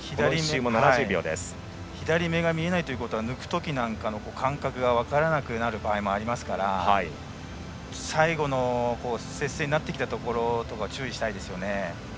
左目が見えないってことは抜くときなんかの感覚が分からなくなる場合もありますから最後の接戦になってきたところ注意したいですね。